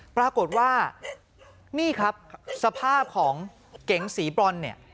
ปรากฏว่านี่ครับสภาพของเก๋งสีบรอนเนี่ย